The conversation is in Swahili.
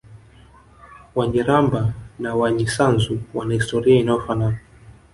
Wanyiramba na Wanyisanzu wana historia inayofanana